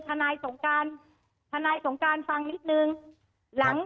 ฐสงกานฐสงการฟังลิปนึง